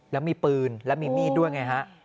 แล้วมีปืนแล้วมีมีดด้วยไงฮะ